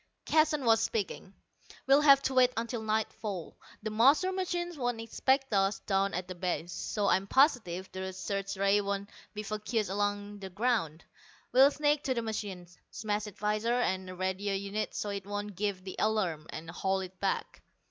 Keston was speaking. "We'll have to wait until nightfall. The master machine won't expect us down at the base, so I'm positive the search rays won't be focussed along the ground. We'll sneak to the machine, smash its visor and radio units, so it won't give the alarm, and haul it back.